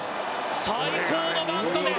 最高のバントです。